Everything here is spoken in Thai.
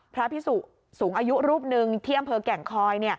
พระพิสุสูงอายุรูปหนึ่งที่อำเภอแก่งคอย